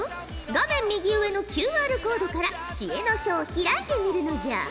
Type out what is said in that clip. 画面右上のＱＲコードから知恵の書を開いてみるのじゃ！